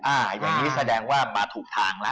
อย่างนี้แสดงว่ามาถูกทางแล้ว